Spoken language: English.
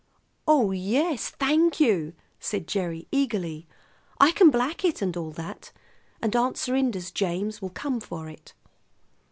"Oh, yes, thank you," said Gerry eagerly; "I can black it and all that. And Aunt Serinda's James will come for it."